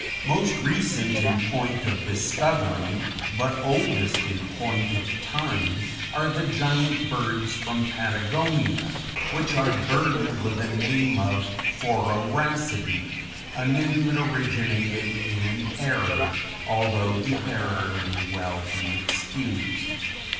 Most recent in point of discovery, but oldest in point of time, are the giant birds from Patagonia, which are burdened with the name of Phororhacidæ, a name that originated in an error, although the error may well be excused.